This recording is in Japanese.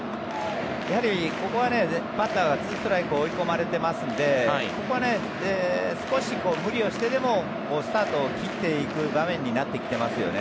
やはりここはバッターが２ストライクに追い込まれてますのでここは少し無理をしてでもスタートを切っていく場面になってきてますよね。